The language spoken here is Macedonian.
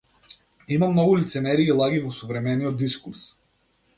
Има многу лицемерие и лаги во современиот дискурс.